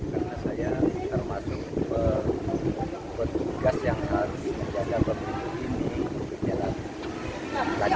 karena saya termasuk bertugas yang harus menjaga pemilu ini